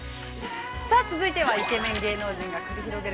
◆続いては、イケメン芸能人が繰り広げる